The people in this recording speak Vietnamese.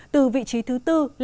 từ vị trí thứ tư